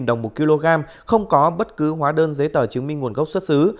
năm mươi đồng một kg không có bất cứ hóa đơn giấy tờ chứng minh nguồn gốc xuất xứ